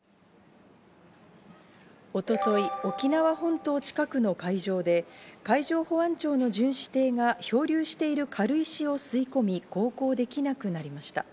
一昨日、沖縄本島近くの海上で海上保安庁の巡視艇が漂流している軽石を吸い込み航行できなくなりました。